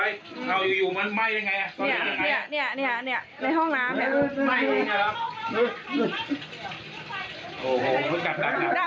น้องหนูเข้ามาเข้าห้องน้ำค่ะ